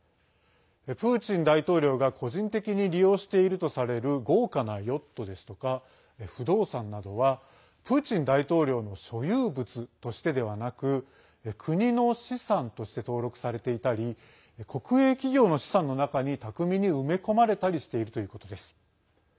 プーチン大統領が個人的に利用しているとされる豪華なヨットですとか不動産などはプーチン大統領の所有物としてではなく国の資産として登録されていたり国営企業の資産の中に巧みに埋め込まれたりしているということです。